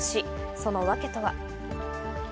その訳とは。